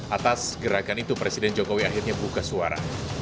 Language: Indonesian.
atas gerakan itu presiden jokowi akhirnya buka suara